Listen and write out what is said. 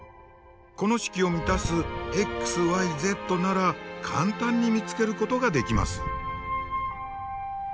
この式を満たすｘｙｚなら簡単に見つけることができます。